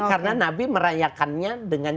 karena nabi merayakannya dengan